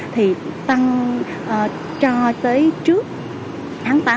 thì tăng cho tới trước tháng tám